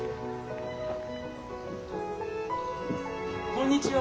・こんにちは。